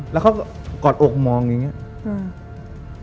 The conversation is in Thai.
แล้วเขากอดอกมองอย่างนี้